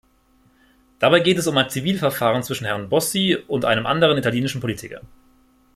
Dabei geht es um ein Zivilverfahren zwischen Herrn Bossi und einem anderen italienischen Politiker.